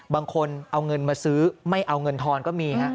บางคนเอาเงินมาซื้อไม่เอาเงินทอนก็มีฮะ